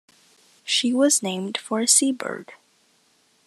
She was named for a sea bird.